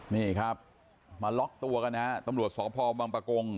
นี่ครับมาล็อกตัวกันนะฮะตำรวจสพบังปะกง